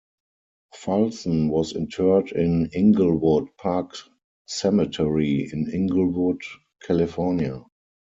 Fulson was interred in Inglewood Park Cemetery, in Inglewood, California.